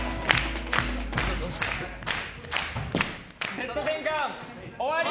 セット転換、終わり！